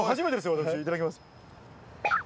私いただきます。